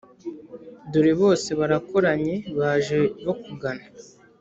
dore bose barakoranye, baje bakugana,